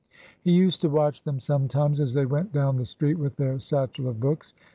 He used to watch them sometimes as they went down the street with their satchel of books.